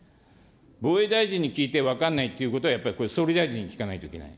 防衛大臣に聞いて分かんないということは、やっぱり総理大臣に聞かないといけない。